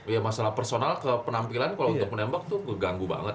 ya masalah personal ke penampilan kalau untuk menembak tuh keganggu banget